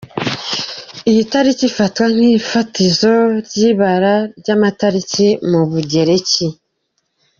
Iyi tariki ifatwa nk’ifatizo ry’ibara ry’amatariki mu Bugereki.